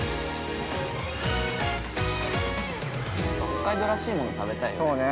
◆北海道らしいもの、食べたいよね。